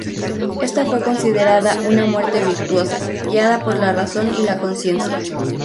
Ésta fue considerada una 'muerte virtuosa', guiada por la razón y la consciencia.